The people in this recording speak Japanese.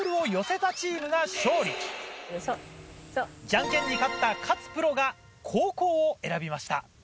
じゃんけんに勝った勝プロが後攻を選びました。